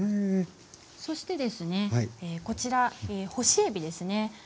そしてですねこちら干しえびですね。